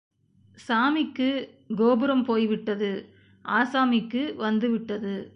சாமிக்குக் கோபுரம் போய் விட்டது ஆசாமிக்கு வந்துவிட்டது.